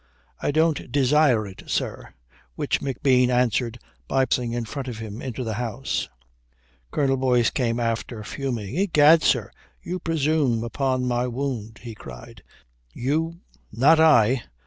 "I don't desire it, sir," which McBean answered by passing in front of him into the house. Colonel Boyce came after, fuming. "Egad, sir, you presume upon my wound," he cried. "You " "Not I.